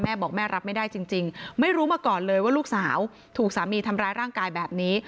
แม่บอกแม่รับไม่ได้จริงไม่รู้มาก่อนเลยว่าลูกสาวถูกสามีทำร้ายร่างกายแบบนี้